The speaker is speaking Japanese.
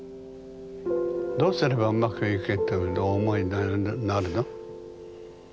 どうすればうまくいくとお思いになるの？